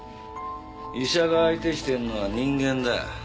医者が相手してんのは人間だ。